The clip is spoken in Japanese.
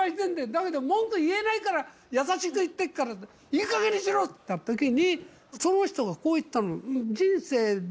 だけど、文句言えないから優しく言ってっからいいかげんにしろって言ったときに、その人がこう言ったの。